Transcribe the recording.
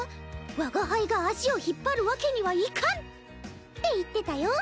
「我が輩が足を引っ張るわけにはいかん！」って言ってたよ。